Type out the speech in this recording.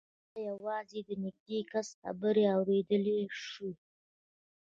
هغه یوازې د نږدې کس خبرې اورېدلای شوې